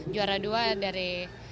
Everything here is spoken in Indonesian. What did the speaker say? juara dua dari